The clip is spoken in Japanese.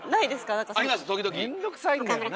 めんどくさいんだよな。